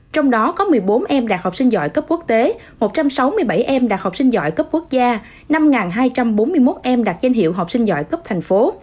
trong đó có một mươi bốn em đạt học sinh giỏi cấp quốc tế một trăm sáu mươi bảy em đạt học sinh giỏi cấp quốc gia năm hai trăm bốn mươi một em đạt danh hiệu học sinh giỏi cấp thành phố